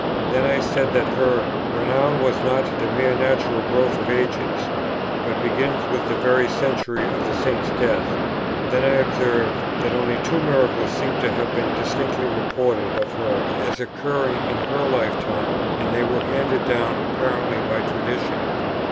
Then I said that her "renown was not the mere natural growth of ages, but begins with the very century of the Saint's death." Then I observed that only two miracles seem to have been "distinctly reported of her as occurring in her lifetime; and they were handed down apparently by tradition."